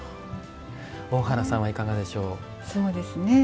大原さんはいかがでしょう。